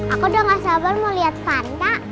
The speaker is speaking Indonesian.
aku udah gak sabar mau liat panda